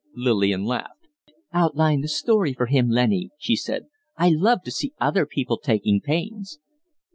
Lillian laughed. "Outline the story for him, Lennie," she said. "I love to see other people taking pains."